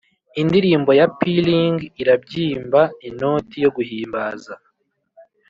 indirimbo ya pealing irabyimba inoti yo guhimbaza.